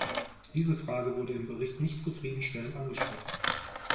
Diese Frage wurde im Bericht nicht zufrieden stellend angesprochen.